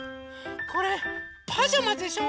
これパジャマでしょ！